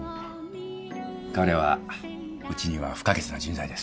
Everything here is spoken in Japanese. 彼はうちには不可欠な人材です。